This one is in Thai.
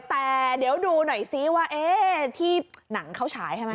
แต่เดี๋ยวดูหน่อยซิว่าที่หนังเขาฉายใช่ไหม